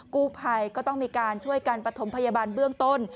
กู้ภัยก็ต้องมีการช่วยกันประถมพยาบาลเบื้องต้น